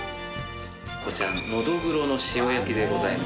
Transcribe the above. こちらノドグロの塩焼きでございます。